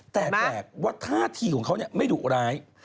แต่แปลกว่าท่าทีของเขาไม่ดุร้าย